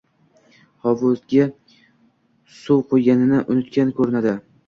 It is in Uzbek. Hovuzga suv qoʻyganini unutgan koʻrinadi.